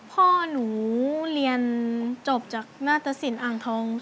พ่อนูเรียนจบจากณสรินอังทอง